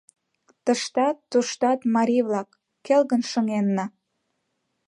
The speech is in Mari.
Тыштат, туштат — марий-влак: келгын шыҥенна!